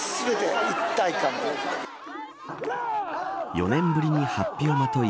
４年ぶりに法被をまとい